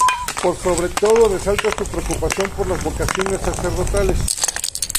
Por sobre todo resalta su preocupación por las vocaciones sacerdotales.